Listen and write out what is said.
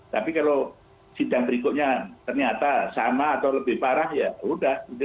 tapi kalau sidang berikutnya ternyata sama atau lebih parah ya sudah